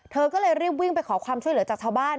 เธอก็เลยรีบวิ่งไปขอความช่วยเหลือจากชาวบ้าน